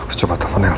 saya ada pertanyaan